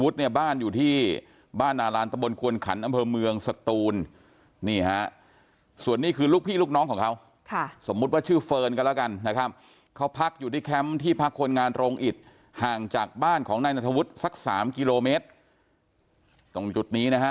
จะดำเนินคดีถึงที่สุดค่ะ